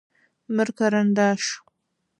Мыр карандаш.